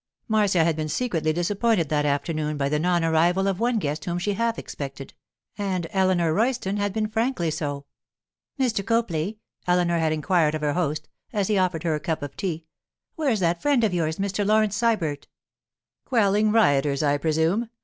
Marcia had been secretly disappointed that afternoon by the non arrival of one guest whom she had half expected—and Eleanor Royston had been frankly so. 'Mr. Copley,' Eleanor had inquired of her host, as he offered her a cup of tea, 'where's that friend of yours, Mr. Laurence Sybert?' 'Quelling rioters, I presume.